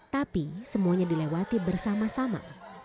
tapi semuanya dilewati bersama sama